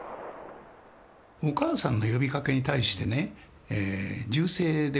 お母さんの呼びかけに対してね銃声で応えてる。